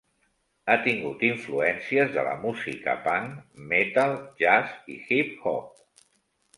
Ha tingut influències de la música punk, metall, jazz i hip-hop.